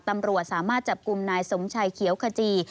ตำรวจสามารถจับกลุ่มนายสมชัยเขียวขจี